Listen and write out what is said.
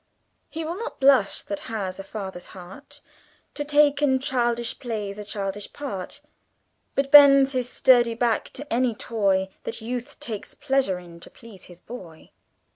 _ "He will not blush, that has a father's heart, To take in childish plays a childish part; But bends his sturdy back to any toy That youth takes pleasure in, to please his boy."